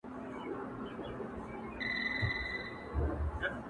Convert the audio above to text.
خو د درد اصل حل نه مومي او پاتې,